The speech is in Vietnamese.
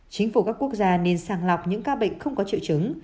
chính phủ các quốc gia nên sàng lọc những ca bệnh không có triệu chứng